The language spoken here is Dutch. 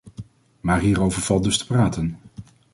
Maar hierover valt dus te praten.